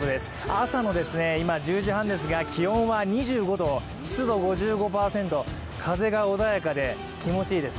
朝の１０時半ですが、気温は２５度湿度５５％、風が穏やかで気持ちいいです。